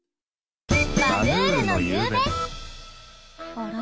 あら？